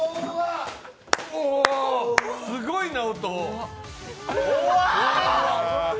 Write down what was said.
すごいな、音。